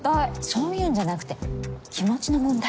そういうんじゃなくて気持ちの問題。